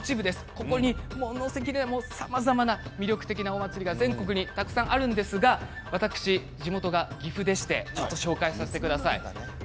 ここに載せきれないさまざまな魅力的なお祭りが全国にあるんですが私、地元が好きでしてちょっと紹介させてください。